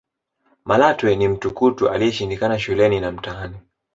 malatwe ni mtukutu aliyeshindikana shuleni na mtaani